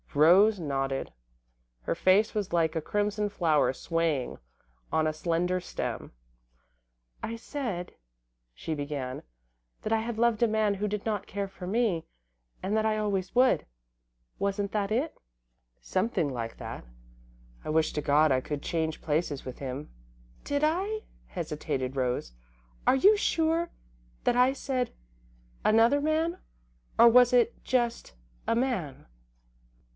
Rose nodded. Her face was like a crimson flower swaying on a slender stem. "I said," she began, "that I had loved a man who did not care for me, and that I always would. Wasn't that it?" "Something like that. I wish to God I could change places with him." "Did I," hesitated Rose, "are you sure that I said another man, or was it just a man?"